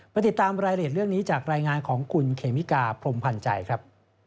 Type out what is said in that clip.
ติดตามรายละเอียดเรื่องนี้จากรายงานของคุณเคมิกาพรมพันธ์ใจครับ